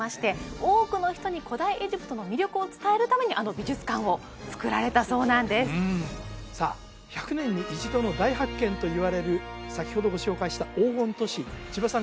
多くの人に古代エジプトの魅力を伝えるためにあの美術館をつくられたそうなんですさあ１００年に一度の大発見といわれる先ほどご紹介した黄金都市千葉さん